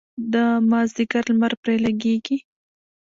د مازدیګر لمر پرې لګیږي.